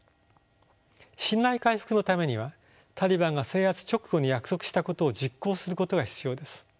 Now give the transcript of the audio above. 信頼回復のためにはタリバンが制圧直後に約束したことを実行することが必要です。